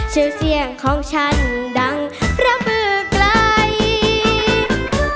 ชื่อเสียงของฉันดังเพลงผืนไกล